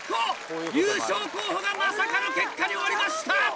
優勝候補がまさかの結果に終わりました！